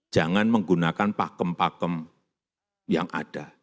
jangan menggunakan pakem pakem yang ada